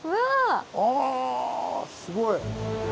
あすごい。